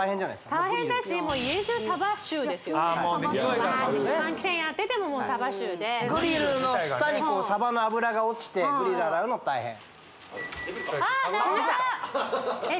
大変だしもう家じゅうサバ臭ですよねうわって換気扇やっててももうサバ臭でグリルの下にサバの脂が落ちてグリル洗うの大変ああ鳴った！